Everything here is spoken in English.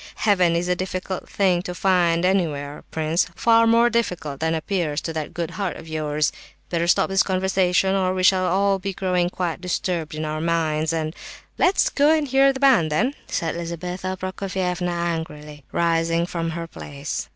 Heaven is a difficult thing to find anywhere, prince; far more difficult than appears to that good heart of yours. Better stop this conversation, or we shall all be growing quite disturbed in our minds, and—" "Let's go and hear the band, then," said Lizabetha Prokofievna, angrily rising from her place.